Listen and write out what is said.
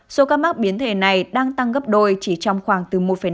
số ca mắc biến thể này đang tăng gấp đôi chỉ trong khoảng từ một năm